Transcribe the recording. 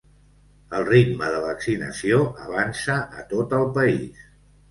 El ritme de vaccinació avança a tot el país.